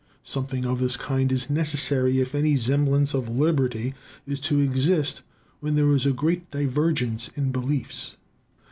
Something of this kind is necessary if any semblance of liberty is to exist where there is great divergence in beliefs.